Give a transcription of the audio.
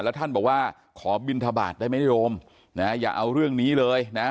แล้วท่านบอกว่าขอบินทบาทได้ไหมนิยมนะอย่าเอาเรื่องนี้เลยนะ